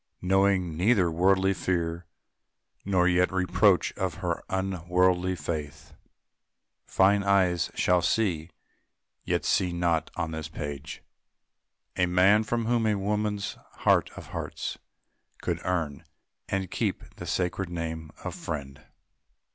Knowing neither worldly fear, Nor yet reproach of her unworldly faith; Fine eyes shall see, yet see not, on this page, A man, who from a woman's heart of hearts Could earn, and keep, the sacred name of Friend.